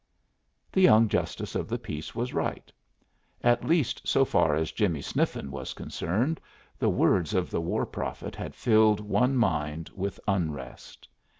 The young justice of the peace was right. At least so far as Jimmie Sniffen was concerned, the words of the war prophet had filled one mind with unrest.